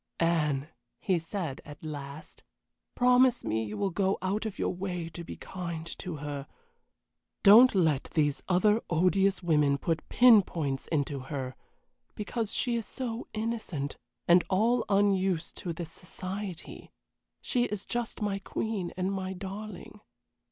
"Anne," he said, at last, "promise me you will go out of your way to be kind to her. Don't let these other odious women put pin points into her, because she is so innocent, and all unused to this society. She is just my queen and my darling.